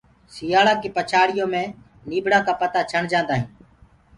سيآݪآ ڪيٚ پڇاڙيو مي نيٚڀڙآ ڪآ متآ ڇڻ جآنٚدآ هينٚ